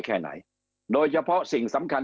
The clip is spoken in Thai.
แค่ไหนโดยเฉพาะสิ่งสำคัญ